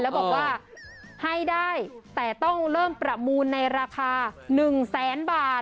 แล้วบอกว่าให้ได้แต่ต้องเริ่มประมูลในราคา๑แสนบาท